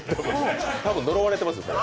多分呪われてますよ。